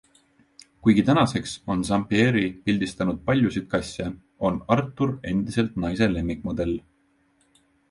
Kuigi tänaseks on Zampieri pildistanud paljusid kasse, on Arthur endiselt naise lemmikmodell.